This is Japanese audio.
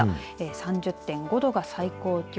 ３０．５度が最高気温。